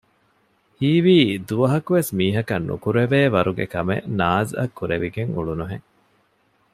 ހީވީ ދުވަހަކުވެސް މީހަކަށް ނުކުރެވޭވަރުގެ ކަމެއް ނާޒްއަށް ކުރެވިގެން އުޅުނުހެން